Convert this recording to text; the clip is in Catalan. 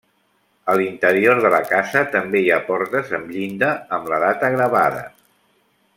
A l'interior de la casa també hi ha portes amb llinda amb la data gravada.